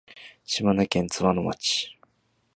島根県津和野町